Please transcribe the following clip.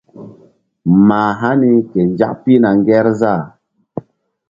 Mah hani ke nzak pihna ŋgerzah.